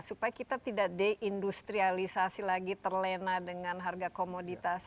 supaya kita tidak deindustrialisasi lagi terlena dengan harga komoditas